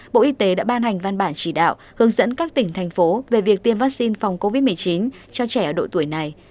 bộ y tế đã ban hành văn bản chỉ đạo hướng dẫn các tỉnh thành phố về việc tiêm vaccine phòng covid một mươi chín cho trẻ ở độ tuổi này